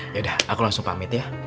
yaudah aku langsung pamit ya